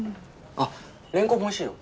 あっレンコンもおいしいよ。